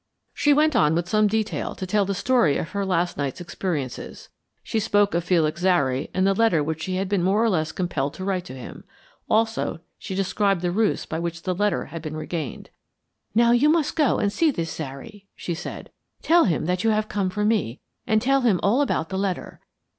She went on with some detail to tell the story of her last night's experiences. She spoke of Felix Zary and the letter which she had been more or less compelled to write to him. Also, she described the ruse by which the letter had been regained. "Now you must go and see this Zary," she said. "Tell him that you come from me, and tell him all about the letter.